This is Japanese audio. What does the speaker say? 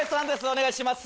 お願いします。